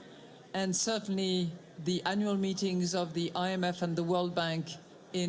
dan tentu saja perjumpaan umum dari imf dan bank dunia